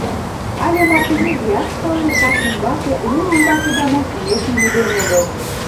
Але марте нигӧат кылме каш ӱмбаке, лум ӱмбаке да монь нӧшмым ӱден огыл...